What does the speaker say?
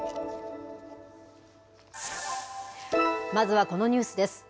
まずはこのニュースです。